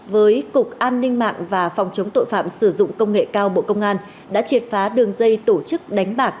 với cục an ninh mạng và phòng chống tội phạm sử dụng công nghệ cao bộ công an đã triệt phá đường dây tổ chức đánh bạc